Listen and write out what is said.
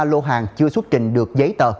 lô hàng chưa xuất trình được giấy tờ